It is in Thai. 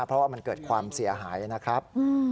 เพราะว่ามันเกิดความเสียหายนะครับ